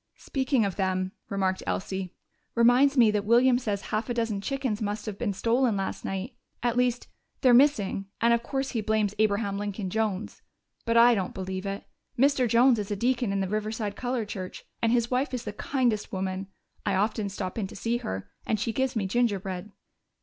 "Speaking of them," remarked Elsie, "reminds me that William says half a dozen chickens must have been stolen last night. At least, they're missing, and of course he blames Abraham Lincoln Jones. But I don't believe it. Mr. Jones is a deacon in the Riverside Colored Church, and his wife is the kindest woman. I often stop in to see her, and she gives me gingerbread."